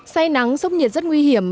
say nắng sốc nhiệt rất nguy hiểm